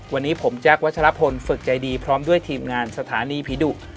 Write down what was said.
วันนี้ผมแจ๊ควัชลพลฝึกใจดีพร้อมด้วยทีมงานสถานีผีดุ